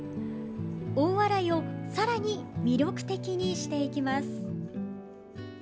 大洗をさらに魅力的にしていきます。